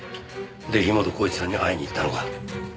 で樋本晃一さんに会いに行ったのか？